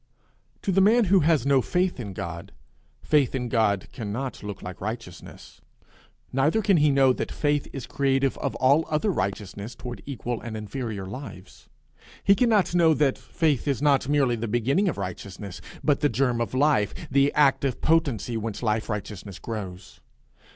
To the man who has no faith in God, faith in God cannot look like righteousness; neither can he know that it is creative of all other righteousness toward equal and inferior lives: he cannot know that it is not merely the beginning of righteousness, but the germ of life, the active potency whence life righteousness grows.